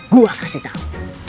gua kasih tau